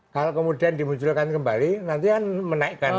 kalau kemudian dimunculkan kembali nanti kan menaikkan